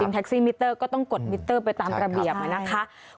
แท็กซี่มิเตอร์ก็ต้องกดมิเตอร์ไปตามระเบียบนะคะ